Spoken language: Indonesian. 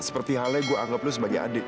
seperti halnya gue anggap lu sebagai adik